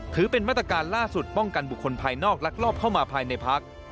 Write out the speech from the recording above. ถือเป็นมาตรการล่าสุดป้องกันบุคคลภายนอกลักลอบเข้ามาภายในพัก